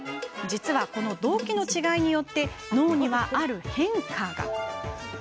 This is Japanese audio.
実は、この動機の違いによって脳にはある変化が。